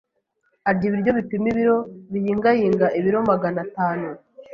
arya ibiryo bipima ibiro biyingayinga ibiro Magana atanu